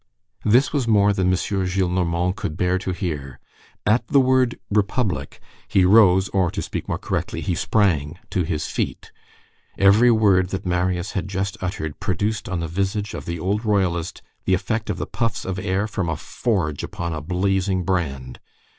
This was more than M. Gillenormand could bear to hear. At the word republic, he rose, or, to speak more correctly, he sprang to his feet. Every word that Marius had just uttered produced on the visage of the old Royalist the effect of the puffs of air from a forge upon a blazing brand.